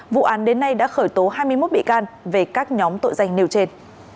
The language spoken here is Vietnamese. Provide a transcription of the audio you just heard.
vụ án đến nay đã khởi tố hai mươi một bị can về các nhóm tội danh nêu trên